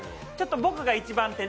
僕が一番手で。